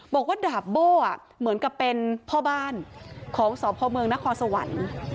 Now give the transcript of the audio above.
บอกว่าดาบโบ้เหมือนกับเป็นพ่อบ้านของสพเมืองนครสวรรค์